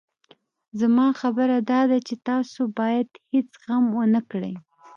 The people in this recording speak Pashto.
زما خبره داده چې تاسو بايد هېڅ غم ونه کړئ.